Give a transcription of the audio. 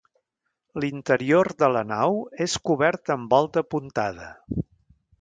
L'interior de la nau és cobert amb Volta apuntada.